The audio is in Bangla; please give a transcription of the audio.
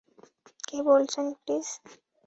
কে বলছেন, প্লিজ?